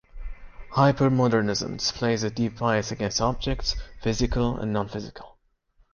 Hypermodernism displays a deep bias against objects physical and non-physical.